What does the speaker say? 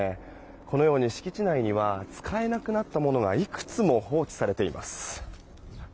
このように敷地内には使えなくなったものがいくつも放置されています。